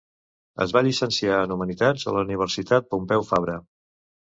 Es va llicenciar en Humanitats a la Universitat Pompeu Fabra.